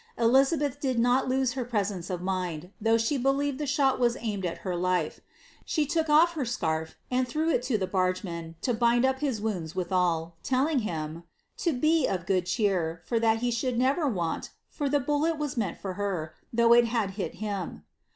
Elizabeth did not iresence of mind, though she believed the shot was aimed at she took off her scarf, and threw it to the bargeman to bind up Is withal, telling him ^^ to be of good cheer, for that he should It, for the bullet was meant for her, though it had hit him."